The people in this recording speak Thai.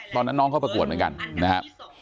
ตอนนั้นน้องเขาประกวดเหมือนกันนะครับ